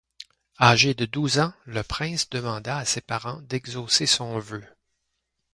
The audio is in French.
Âgé de douze ans, le prince demanda à ses parents d'exaucer son vœu.